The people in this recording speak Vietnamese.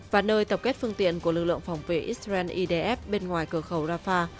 và nơi tập kết phương tiện của lực lượng phòng vệ israel idf bên ngoài cửa khẩu rafah